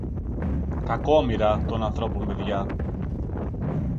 Κακόμοιρα των ανθρώπων παιδιά!